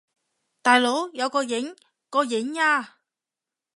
大佬，有個影！個影呀！